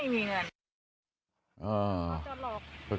ไม่มีเงิน